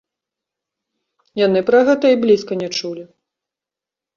Яны пра гэта і блізка не чулі.